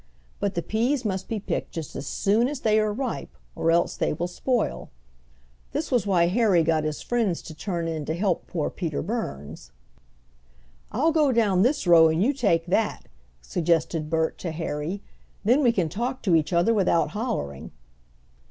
But the peas must be picked just as soon as they are ripe, or else they will spoil. This was why Harry got his friends to turn in to help poor Peter Burns. "I'll go down this row and you take that." suggested Bert to Harry. "Then we can talk to each other without hollering."